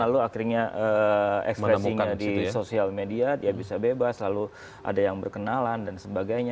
lalu akhirnya ekspresinya di sosial media ya bisa bebas lalu ada yang berkenalan dan sebagainya